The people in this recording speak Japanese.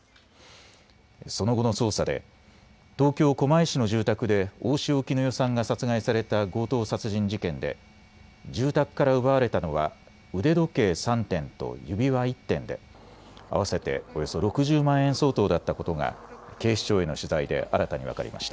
その後の捜査で東京狛江市の住宅で大塩衣與さんが殺害された強盗殺人事件で住宅から奪われたのは腕時計３点と指輪１点で合わせておよそ６０万円相当だったことが警視庁への取材で新たに分かりました。